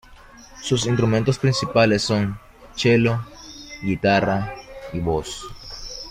Sus instrumentos principales son cello, guitarra y voz.